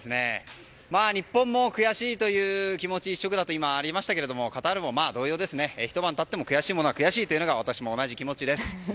日本も悔しいという気持ち一色だとありましたがカタールも一緒でして悔しいものは悔しいというのは同じ気持ちです。